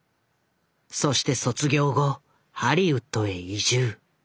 そして卒業後ハリウッドへ移住。